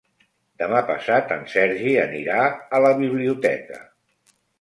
Demà passat en Sergi anirà a la biblioteca.